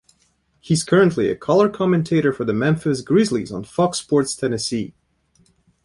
He is currently a color commentator for the Memphis Grizzlies on Fox Sports Tennessee.